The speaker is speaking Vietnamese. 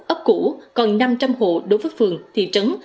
ấp cũ còn năm trăm linh hộ đỗ phước phường thị trấn